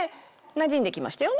なじんできましたよね？